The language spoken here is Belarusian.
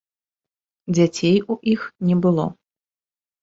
Дзяцей у іх не было.